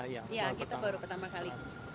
ya kita baru pertama kali